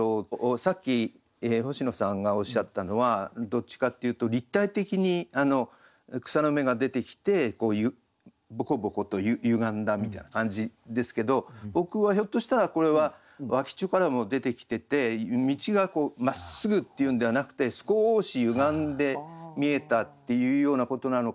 さっき星野さんがおっしゃったのはどっちかっていうと立体的に草の芽が出てきてボコボコと歪んだみたいな感じですけど僕はひょっとしたらこれは脇っちょからも出てきてて径がまっすぐっていうんではなくて少し歪んで見えたっていうようなことなのかなとも思ったり。